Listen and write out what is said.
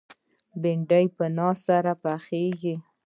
بېنډۍ په ناز سره پخېږي